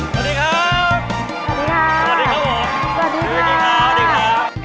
สวัสดีค่ะสวัสดีครับ